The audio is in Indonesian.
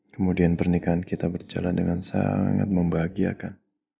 kemudian pernikahan kita berjalan dengan sangat membahagiakan